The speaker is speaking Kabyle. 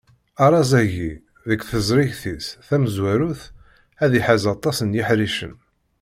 Arraz-agi, deg tezrigt-is tamezwarut, ad iḥaz aṭas n yiḥricen.